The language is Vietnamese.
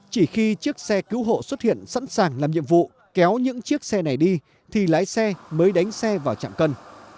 chỉ khi chiếc xe cứu hộ xuất hiện sẵn sàng làm nhiệm vụ kéo những chiếc xe này đi thì lái xe mới đánh xe vào trạm cân